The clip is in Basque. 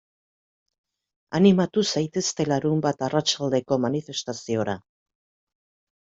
Animatu zaitezte larunbat arratsaldeko manifestaziora.